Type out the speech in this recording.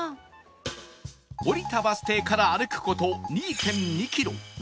降りたバス停から歩く事 ２．２ キロ